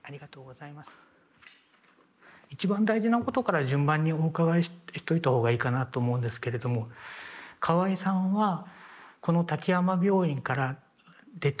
一番大事なことから順番にお伺いしといた方がいいかなと思うんですけれども河合さんはこの滝山病院から出たいというご意思はおありですか？